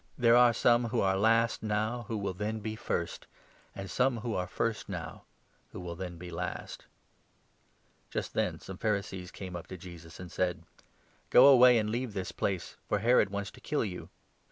There are some who are last now who will then be first, and some who are first now who will then be last !" Just then some Pharisees came up to Jesus and to said : Herod Antipas. " Go away and leave this place, for Herod wants to kill you."